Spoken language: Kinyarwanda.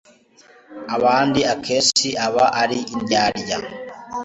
abandi akenshi aba ari indyarya